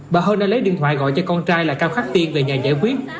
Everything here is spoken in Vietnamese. bà hơ đã lấy điện thoại gọi cho con trai là cao khắc tiên về nhà giải quyết